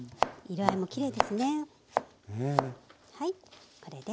色合いもきれいですね。